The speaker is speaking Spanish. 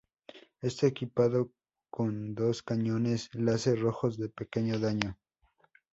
Está equipado con dos cañones láser rojos, de pequeño daño.